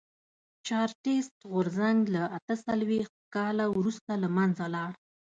چارټېست غورځنګ له اته څلوېښت کال وروسته له منځه لاړ.